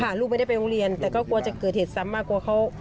ลูกไม่ได้ไปโรงเรียนแต่ก็กลัวจะเกิดเหตุซ้ำมากกลัวเขา